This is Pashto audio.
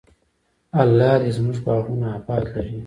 الله دې زموږ باغونه اباد لري.